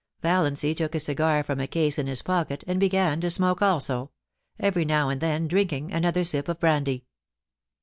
Valiancy took a cigar from a case in his pocket, and began to smoke also, every now and then drink ing another sip of brandy.